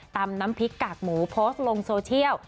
ตำน้ำพริกกากหมูโพสต์ลงโซเชียล